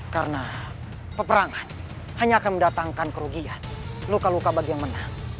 karena peperangan hanya akan mendatangkan kerugian luka luka bagi yang menang